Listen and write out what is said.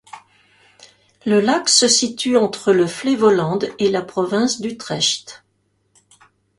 Le lac se situe entre le Flevoland et la province d'Utrecht.